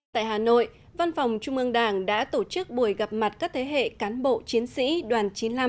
tại hà nội văn phòng trung ương đảng đã tổ chức buổi gặp mặt các thế hệ cán bộ chiến sĩ đoàn chín mươi năm